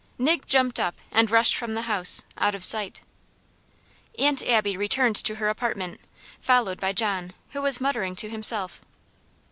Nig jumped up, and rushed from the house, out of sight. Aunt Abby returned to her apartment, followed by John, who was muttering to himself.